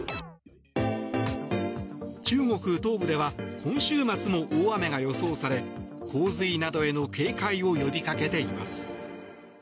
中国東部では今週末も大雨が予想され洪水などへの警戒を呼びかけています。